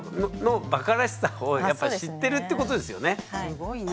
すごいな。